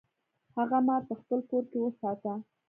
هغه مار په خپل کور کې وساته.